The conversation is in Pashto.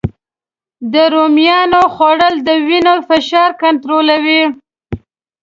د رومیانو خوړل د وینې فشار کنټرولوي